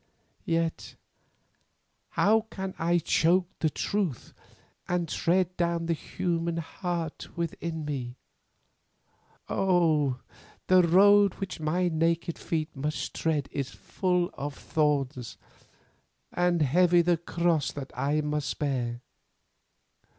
"Yet how can I choke the truth and tread down the human heart within me? Oh! the road which my naked feet must tread is full of thorns, and heavy the cross that I must bear.